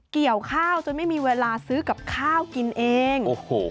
เกี่ยวข้าวจนไม่มีเวลาซื้อกับข้าวกินเอง